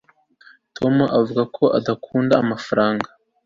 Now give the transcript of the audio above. tom avuga ko adakunda amafaranga